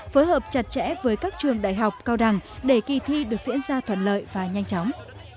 phối hợp chặt chẽ với các trường đại học cao đẳng để kỳ thi được diễn ra thuận lợi và nhanh chóng